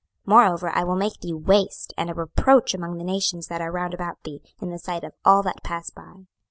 26:005:014 Moreover I will make thee waste, and a reproach among the nations that are round about thee, in the sight of all that pass by.